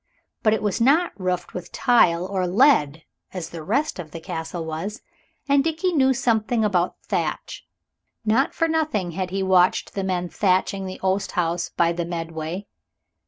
But it was not roofed with tile or lead, as the rest of the Castle was. And Dickie knew something about thatch. Not for nothing had he watched the men thatching the oast house by the Medway.